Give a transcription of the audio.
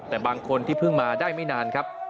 แต่บางคนที่เพิ่งมาได้ไม่นานครับ